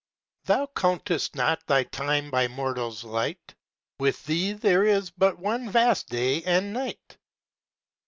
Thou countest not thy time by mortals' light; With Thee there is but one vast day and night.